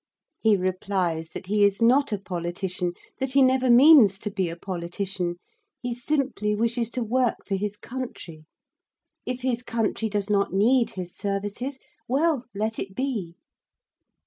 He replies that he is not a politician; that he never means to be a politician. He simply wishes to work for his country; if his country does not need his services well, let it be.